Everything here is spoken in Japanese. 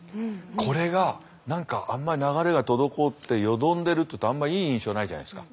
これが何か流れが滞ってよどんでるっていうとあんまいい印象ないじゃないですか。